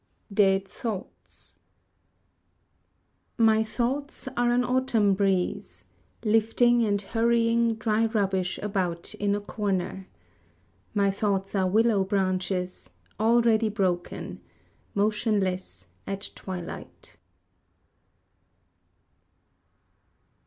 Dead Thoughts My thoughts are an autumn breeze Lifting and hurrying Dry rubbish about in a corner. My thoughts are willow branches Already broken Motionless at twilight.